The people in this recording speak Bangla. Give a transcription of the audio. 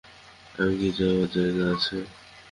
আমার কি যাওয়ার জায়গা আছে?